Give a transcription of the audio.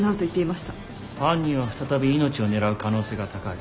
犯人は再び命を狙う可能性が高い。